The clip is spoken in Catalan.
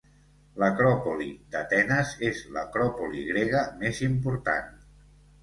L'Acròpoli d'Atenes és l'acròpoli grega més important.